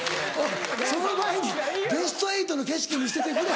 その前にベスト８の景色を見せてくれ。